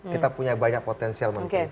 kita punya banyak potensial menteri